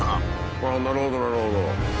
ああなるほどなるほど。